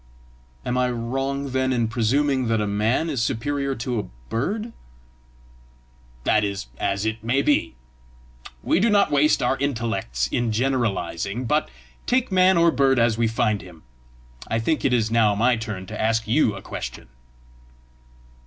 "Am I wrong, then, in presuming that a man is superior to a bird?" "That is as it may be. We do not waste our intellects in generalising, but take man or bird as we find him. I think it is now my turn to ask you a question!"